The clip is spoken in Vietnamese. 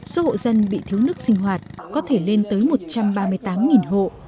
số hộ dân bị thiếu nước sinh hoạt có thể lên tới một trăm ba mươi tám hộ